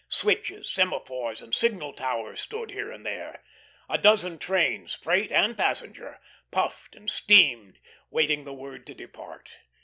Switches, semaphores, and signal towers stood here and there. A dozen trains, freight and passenger, puffed and steamed, waiting the word to depart.